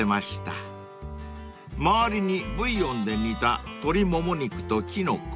［周りにブイヨンで煮た鶏もも肉とキノコ］